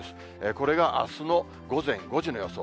これがあすの午前５時の予想。